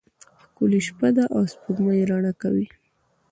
ښکلی شپه ده او سپوږمۍ رڼا کوي.